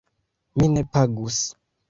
Mi ne pagus.